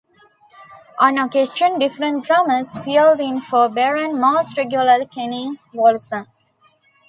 On occasion, different drummers filled in for Baron - most regularly Kenny Wollesen.